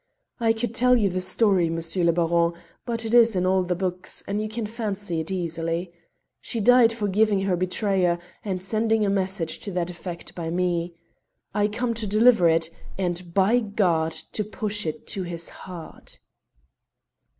I could tell you the story, M. le Baron, but it is in all the books, and you can fancy it easily. She died forgiving her betrayer, and sending a message to that effect by me. I come to deliver it, and, by God! to push it to his heart."